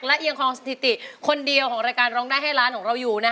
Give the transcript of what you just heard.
และเอียงคลองสถิติคนเดียวของรายการร้องได้ให้ร้านของเราอยู่